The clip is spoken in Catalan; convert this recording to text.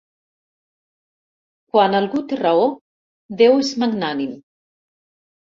Quan algú té raó, déu és magnànim.